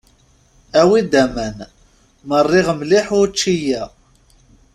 Awi-d aman, merriɣ mliḥ wučči-a.